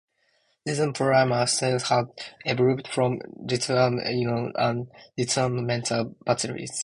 Lithium polymer cells have evolved from lithium-ion and lithium-metal batteries.